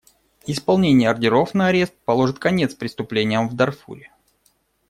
Исполнение ордеров на арест положит конец преступлениям в Дарфуре.